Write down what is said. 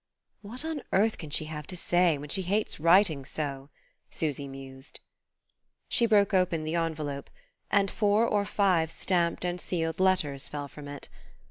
"What on earth can she have to say, when she hates writing so," Susy mused. She broke open the envelope, and four or five stamped and sealed letters fell from it.